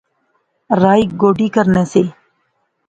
رائی گوڈی کرنے سے